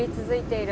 いる